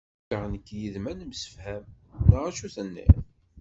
Cukkeɣ nekk yid-m ad nemsefham, neɣ acu tenniḍ?